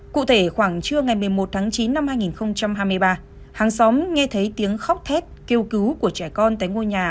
cụ thể khoảng trưa ngày một mươi một tháng chín năm hai nghìn hai mươi ba hàng xóm nghe thấy tiếng khóc thét kêu cứu của trẻ con